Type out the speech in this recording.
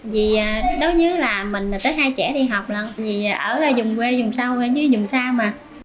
vì đối với mình là tới hai trẻ đi học lần vì ở vùng quê vùng sâu chứ vùng sao mà